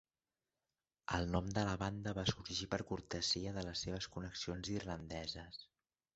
El nom de la banda va sorgir per cortesia de les seves connexions irlandeses.